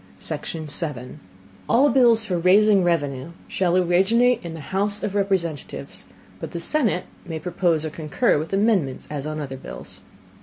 Section 7. All Bills for raising Revenue shall originate in the House of Representatives; but the Senate may propose or concur with Amendments as on other Bills.